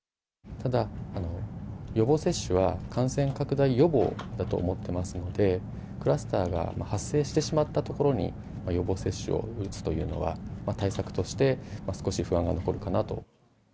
ただ、予防接種は感染拡大予防だと思ってますので、クラスターが発生してしまったところに、予防接種を打つというのは、対策として少し不安が残るかなと。